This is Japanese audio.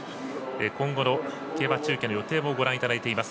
今後の競馬中継の予定をご覧いただいています。